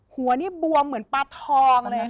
หัวนี่บวมเหมือนปลาทองเลยค่ะ